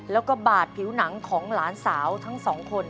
แล้วก็บาดผิวหนังของหลานสาวทั้งสองคน